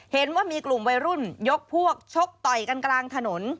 เห็นว่ามีกลุ่มวัยรุ่นยกพวกชกต่อยกันกลางถนน